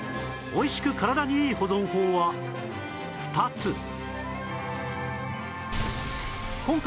おいしく体にいい保存法は２つ